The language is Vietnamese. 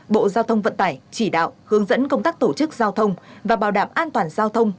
bộ giao thông vận tải chỉ đạo hướng dẫn công tác tổ chức giao thông và bảo đảm an toàn giao thông